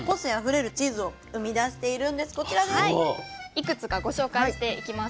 いくつかご紹介していきます。